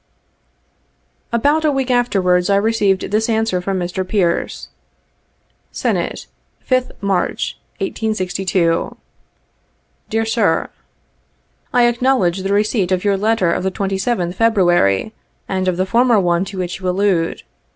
About a week afterwards I received this answer from Mr. Pearce : "Senate, 5th March, 1862. •' Dear Sir :—'' I acknowledge the receipt of your letter of the 27th Febru ary, and of the former one to which you allude.